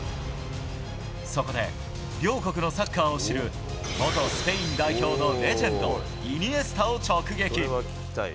そこで、両国のサッカーを知る元スペイン代表のレジェンドイニエスタを直撃。